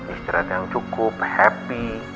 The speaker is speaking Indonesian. istirahat yang cukup happy